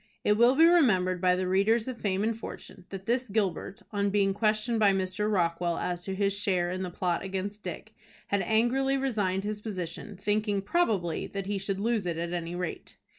It will be remembered by the readers of "Fame and Fortune," that this Gilbert, on being questioned by Mr. Rockwell as to his share in the plot against Dick, had angrily resigned his position, thinking, probably, that he should lose it at any rate.